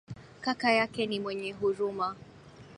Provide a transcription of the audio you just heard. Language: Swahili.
Kaka yake ni mwenye huruma.